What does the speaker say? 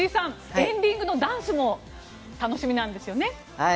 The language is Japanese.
エンディングのダンスも楽しみなんですよね。